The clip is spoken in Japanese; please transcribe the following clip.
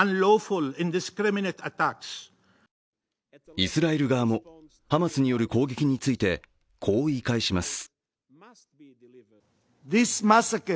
イスラエル側もハマスによる攻撃についてこう言い返します。